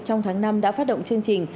trong tháng năm đã phát động chương trình